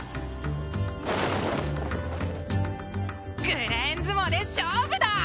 グレーン相撲で勝負だ！